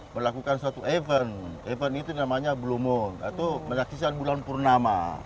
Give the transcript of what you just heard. melakukan suatu event event itu namanya blue moon atau menyaksikan bulan purnama